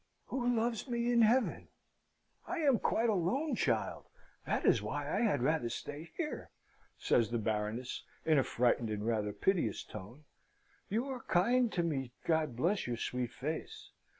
"Who loves me in Heaven? I am quite alone, child that is why I had rather stay here," says the Baroness, in a frightened and rather piteous tone. "You are kind to me, God bless your sweet face!